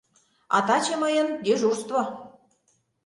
А таче мыйын — дежурство.